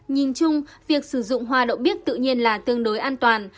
nhìn chung việc sử dụng hoa đậu bích tự nhiên là tương đối an toàn